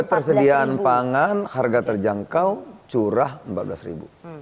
pembelian pangan harga terjangkau curah empat belas ribu